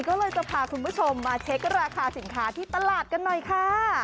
ก็เลยจะพาคุณผู้ชมมาเช็คราคาสินค้าที่ตลาดกันหน่อยค่ะ